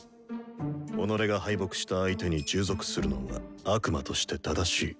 己が敗北した相手に従属するのは悪魔として正しい。